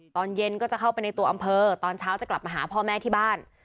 ตอนเย็นก็จะเข้าไปในตัวอำเภอตอนเช้าจะกลับมาหาพ่อแม่ที่บ้าน